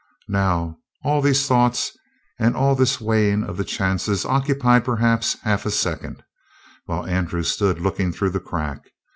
Now, all these thoughts and all this weighing of the chances occupied perhaps half a second, while Andrew stood looking through the crack.